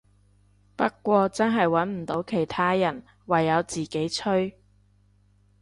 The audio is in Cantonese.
不過真係穩唔到其他人，唯有自己吹